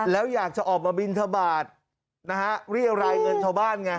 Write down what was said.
แล้วอยากจะออกมาบินทบาทนะฮะเรียรายเงินชาวบ้านไง